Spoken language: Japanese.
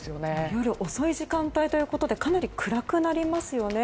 夜遅い時間帯ということでかなり暗くなりますよね。